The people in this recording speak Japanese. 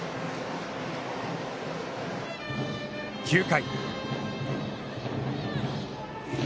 ９回。